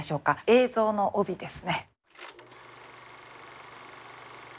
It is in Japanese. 映像の帯ですね。